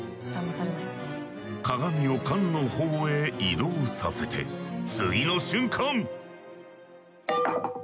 鏡を缶のほうへ移動させて次の瞬間。